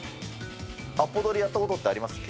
アポ取りやったことあります？